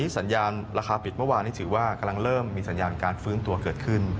สัญญาณระคาปิดเมื่อวานคือกำลังให้มีสัญญาณการฟื้นตัวเกิดขึ้น